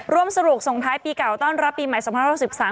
ร่วมสนุกสงท้ายปีเก่าต้อนรับปีใหม่๒๐๑๓